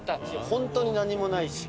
本当に何もないし。